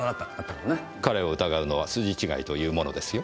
彼を疑うのは筋違いというものですよ。